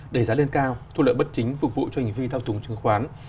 đẩy giá lên cao thu lợi bất chính phục vụ cho hành vi thao túng chứng khoán